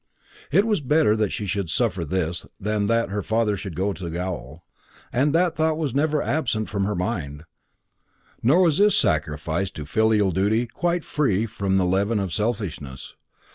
It was better that she should suffer this than that her father should go to gaol. That thought was never absent from her mind. Nor was this sacrifice to filial duty quite free from the leaven of selfishness.